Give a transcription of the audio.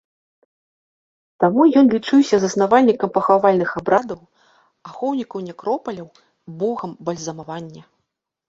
Таму ён лічыўся заснавальнікам пахавальных абрадаў, ахоўнікам некропаляў, богам бальзамавання.